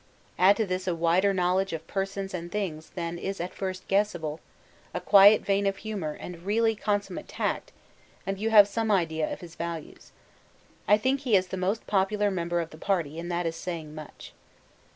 Add to this a wider knowledge of persons and things than is at first guessable, a quiet vein of humour and really consummate tact, and you have some idea of his values. I think he is the most popular member of the party, and that is saying much.